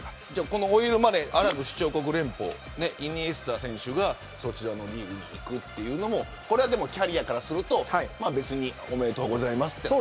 このオイルマネーアラブ首長国連邦イニエスタ選手がそちらのリーグにいくというのもキャリアからするとおめでとうございますと。